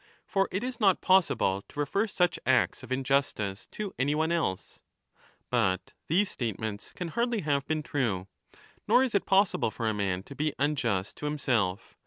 For it is not possible to refer such acts of injustice to any one else. But these statements can hardly have been true, nor is it possible for a man to be unjust to himself.